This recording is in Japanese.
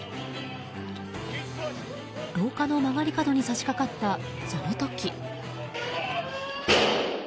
廊下の曲がり角に差し掛かったその時。